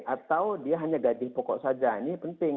atau dia hanya gaji pokok saja ini penting